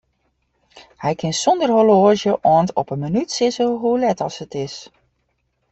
Hy kin sonder horloazje oant op 'e minút sizze hoe let as it is.